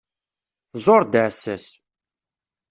Tẓur-d aɛessas.